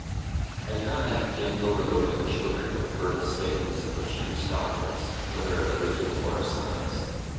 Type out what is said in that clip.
I do not advocate the overloading of children with verbal statements of abstruse doctrines, whether of religion or of science.